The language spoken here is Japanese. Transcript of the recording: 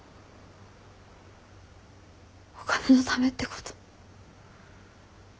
お金のためってこと？